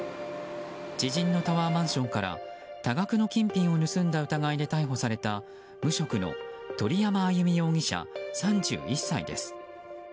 知人のタワーマンションから多額の金品を盗んだ疑いで逮捕された無職の鳥山あゆみ容疑者、３１歳です。